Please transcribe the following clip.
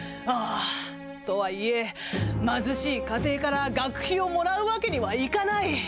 とはいえ貧しい家庭から学費をもらうわけにはいかない。